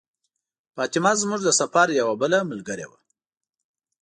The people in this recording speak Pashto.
فاطمه زموږ د سفر یوه بله ملګرې وه.